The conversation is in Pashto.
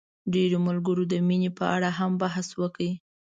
ډېری ملګرو د مينې په اړه هم بحث وکړ.